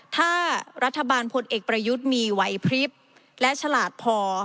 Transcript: ถ้ารัฐบาลพลเอกประยุทธ์มีไหวพลิบและฉลาดพอ